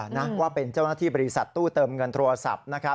นะว่าเป็นเจ้าหน้าที่บริษัทตู้เติมเงินโทรศัพท์นะครับ